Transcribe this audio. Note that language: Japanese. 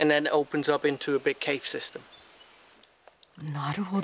なるほど。